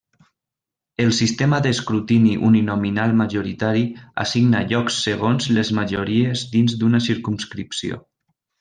El sistema d'escrutini uninominal majoritari assigna llocs segons les majories dins d'una circumscripció.